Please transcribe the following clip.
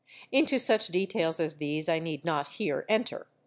Into such details as these I need not here enter.